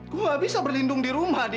gue gak bisa berlindung di rumah